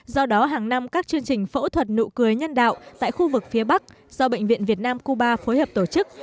do đó hàng năm các chương trình phẫu thuật nụ cười nhân đạo tại khu vực phía bắc do bệnh viện việt nam cuba phối hợp tổ chức